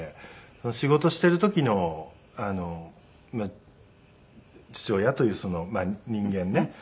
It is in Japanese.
仕事してる時の父親というまあ人間ね。